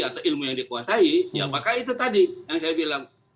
atau ilmu yang dikuasai ya maka itu tadi yang saya bilang